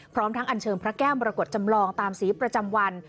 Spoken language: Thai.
พร้อมทั้งอันเชิญพระแก้วมรกฏจำลองตามสีประจำวัน